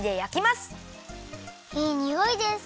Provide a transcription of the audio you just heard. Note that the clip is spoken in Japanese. いいにおいです！